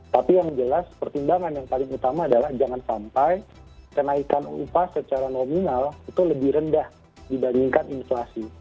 tapi yang jelas pertimbangan yang paling utama adalah jangan sampai kenaikan upah secara nominal itu lebih rendah dibandingkan inflasi